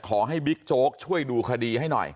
บิ๊กโจ๊กช่วยดูคดีให้หน่อย